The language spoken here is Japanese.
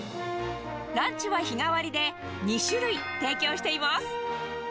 ランチは日替わりで２種類提供しています。